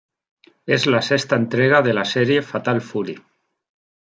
Es la sexta entrega de la serie "Fatal Fury".